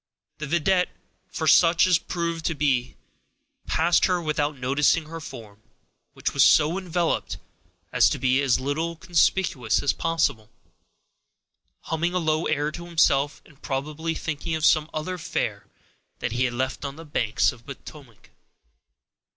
The vidette, for such it proved to be, passed her without noticing her form, which was so enveloped as to be as little conspicuous as possible, humming a low air to himself, and probably thinking of some other fair that he had left on the banks of the Potomac.